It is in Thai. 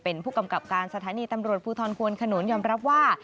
เป็นผู้กำกับการสถานีตำรวจภูทรควนขนุนยอมรับว่า